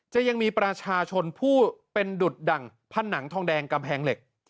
จะยังมีประชาชนผู้เป็นดุดดั่งผนังทองแดงกำแพงเหล็ก